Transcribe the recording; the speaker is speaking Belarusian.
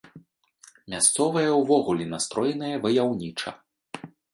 Мясцовыя ўвогуле настроеныя ваяўніча.